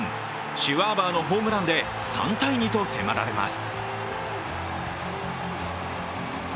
シュワーバーのホームランで３−２と迫られます。